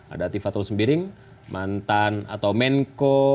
ada tifatul sembiring mantan atau menko